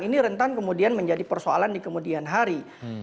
ini rentan kemudian menjadi persoalan di kemudian hari